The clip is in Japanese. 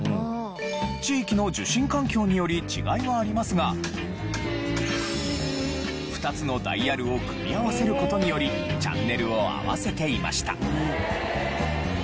地域の受信環境により違いはありますが２つのダイヤルを組み合わせる事によりチャンネルを合わせていました。